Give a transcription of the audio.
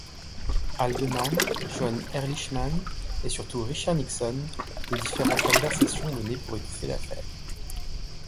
Haldeman, John Ehrlichman et surtout Richard Nixon des différentes malversations menées pour étouffer l'affaire.